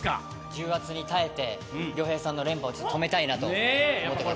重圧に耐えて鈴木さんの連覇を阻止したいと思います。